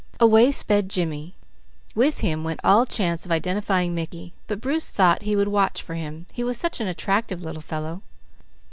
Away sped Jimmy; with him went all chance of identifying Mickey, but Bruce thought he would watch for him. He was such an attractive little fellow.